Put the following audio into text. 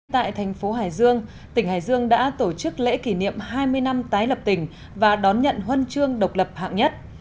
tại thành phố hải dương tỉnh hải dương đã tổ chức lễ kỷ niệm hai mươi năm tái lập tỉnh và đón nhận huân chương độc lập hạng nhất